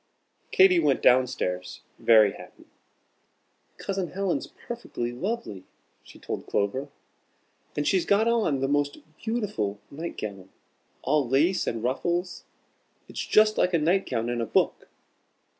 Katy went down stairs very happy. "Cousin Helen's perfectly lovely," she told Clover. "And she's got on the most beautiful night gown, all lace and ruffles. It's just like a night gown in a book."